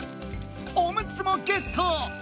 おむつもゲット！